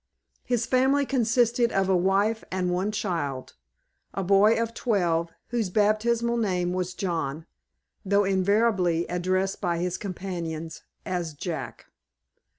His family consisted of a wife and one child, a boy of twelve, whose baptismal name was John, though invariably addressed, by his companions, as Jack.